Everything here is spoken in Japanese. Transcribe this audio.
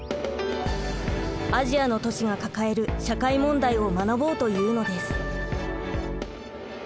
アジアの都市が抱える社会問題を学ぼうというのです。